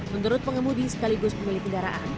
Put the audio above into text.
menurut pengemudi sekaligus pemilik kendaraan